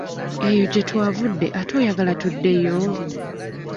Eyo gye twavudde ate oyagala tuddeyo?